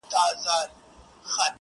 ستا پېغلي کابله په جهان کي در په دري دي,